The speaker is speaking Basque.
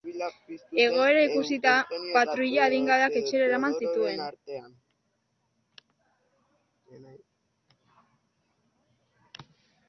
Egoera ikusita, patruila adingabeak etxera eraman zituen.